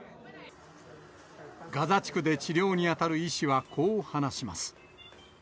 ガザ地区で治療に当たる医師は、こう話します。